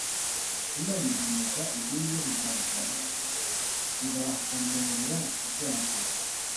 Imana ihinyuza idini y uburyarya ibahanurira ibyago